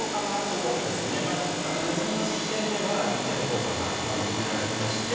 そうですね、ネズミの実験では、一定の効果が認められてまして。